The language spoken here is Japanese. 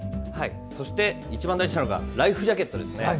そして、一番大事なのがライフジャケットですね。